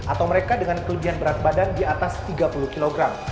atau mereka dengan kelebihan berat badan di atas tiga puluh kg